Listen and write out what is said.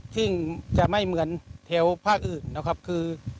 ซึ่งจะไม่เหมือนแถวภาคอื่นนะครับคือ